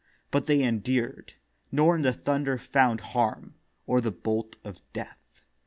But they endured; nor in the thunder found Harm, or the bolt of death.